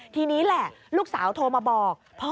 ทีนี้แหละลูกสาวโทรมาบอก